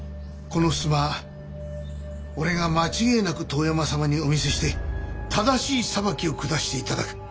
この襖俺が間違えなく遠山様にお見せして正しい裁きを下して頂く。